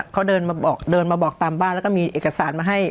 เขาเดินมาบอกตามบ้านแล้วก็มีเอกสารมาให้